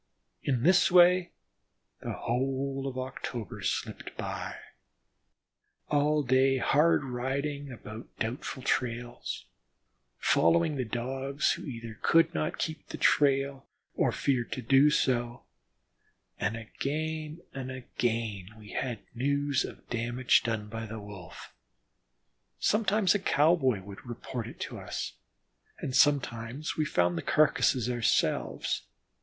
In this way the whole of October slipped by; all day hard riding after doubtful trails, following the Dogs, who either could not keep the big trail or feared to do so, and again and again we had news of damage done by the Wolf; sometimes a cowboy would report it to us; and sometimes we found the carcasses ourselves.